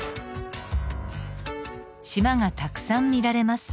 しまがたくさん見られます。